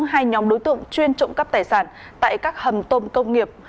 hai nhóm đối tượng chuyên trộm cắp tài sản tại các hầm tôm công nghiệp